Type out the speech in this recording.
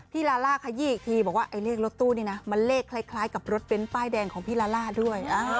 ลาล่าขยี้อีกทีบอกว่าไอ้เลขรถตู้นี่นะมันเลขคล้ายกับรถเบ้นป้ายแดงของพี่ลาล่าด้วย